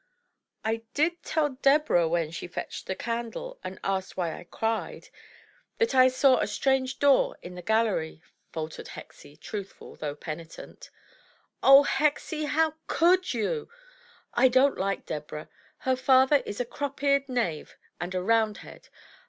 *1 did tell Deborah, when she fetched the candle and asked why I cried, that I saw a strange door in the gallery," faltered Hexie, truthful, though penitent. 0h! Hexie, how could you? I don't like Deborah, her father is a crop eared knave and a Roundhead.